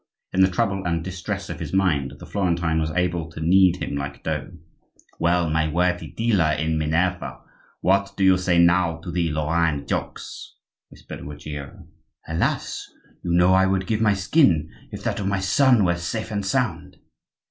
In the trouble and distress of his mind, the Florentine was able to knead him like dough. "Well, my worthy dealer in minever, what do you say now to the Lorraine jokes?" whispered Ruggiero. "Alas! you know I would give my skin if that of my son were safe and sound."